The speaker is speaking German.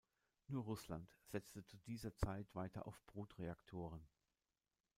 Nur Russland setzte zu dieser Zeit weiter auf Brutreaktoren.